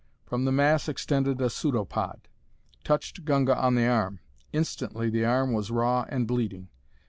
From the mass extended a pseudopod; touched Gunga on the arm. Instantly the arm was raw and bleeding.